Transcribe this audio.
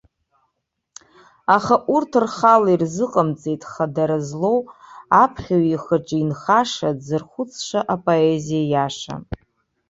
Аха урҭ рхала ирзыҟамҵеит хадара злоу, аԥхьаҩ ихаҿы инхаша, дзырхәыцша апоезиа иаша.